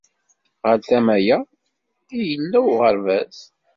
Ɣer tama-ya i yella uɣerbaz.